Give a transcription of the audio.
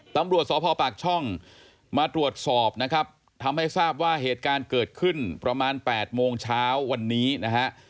ตำรวจสพปากช่องมาตรวจสอบนะครับทำให้ทราบว่าเหตุการณ์เกิดขึ้นประมาณ๘โมงเช้าวันนี้นะฮะ